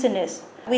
trong khoảng một năm